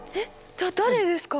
だ誰ですか？